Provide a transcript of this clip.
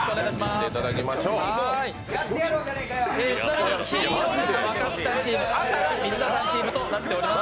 ちなみに黄色が若槻さんチーム、赤が水田さんチームとなっております。